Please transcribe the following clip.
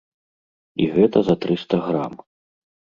І гэта за трыста грам.